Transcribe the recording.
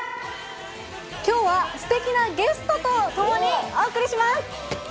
きょうはすてきなゲストと共にお送りします。